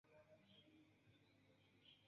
Do la demando ne estas finsolvita.